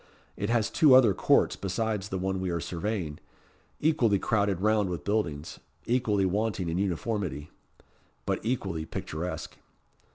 It has two other courts besides the one we are surveying; equally crowded round with buildings, equally wanting in uniformity, but equally picturesque.